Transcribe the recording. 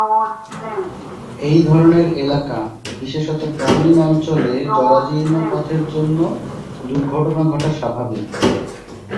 এই ধরণের এলাকা, বিশেষত গ্রামীণ অঞ্চলে জরাজীর্ণ পথের জন্য দুর্ঘটনা ঘটা স্বাভাবিক।